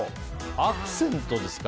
アクセントですか。